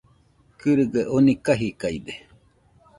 Kɨrɨgaɨ oni kajidaide